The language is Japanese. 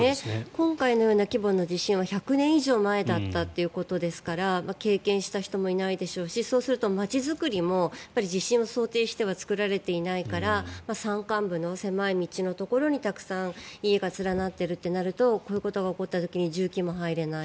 今回のような規模の地震は１００年以上前だったということですから経験した人もいないでしょうしそうすると街づくりも地震を想定しては作られていないから山間部の狭い道のところにたくさん家が連なっているとなるとこういうことが起こった時に重機も入れない。